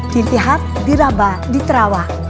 di pihak di rabah di terawak